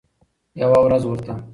یوه ورځ ورته